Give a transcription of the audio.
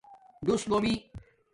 ڈݸس لومئ